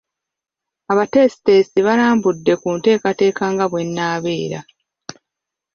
Abateesiteesi balambuludde ku nteekateeka nga bw’enaabeera.